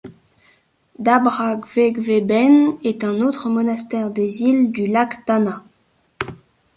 Dabra Gwegweben est un autre monastère des îles du lac Tana.